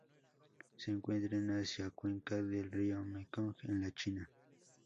Se encuentran en Asia: cuenca del río Mekong en la China.